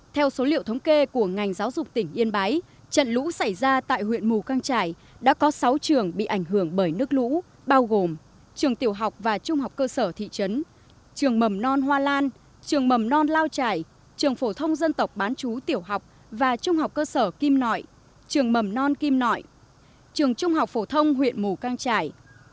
theo số liệu thống kê của ngành giáo dục tỉnh yên bái trận lũ xảy ra tại huyện mù căng trải đã có sáu trường bị ảnh hưởng bởi nước lũ bao gồm trường tiểu học và trung học cơ sở thị trấn trường mầm non hoa lan trường mầm non lao trải trường phổ thông dân tộc bán chú tiểu học và trung học cơ sở kim nội trường mầm non kim nội trường trung học phổ thông huyện mù căng trải